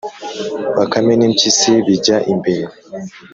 Bakame n' impyisi bijya imbere,